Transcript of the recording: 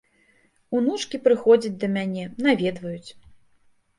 Унучкі прыходзяць да мяне, наведваюць.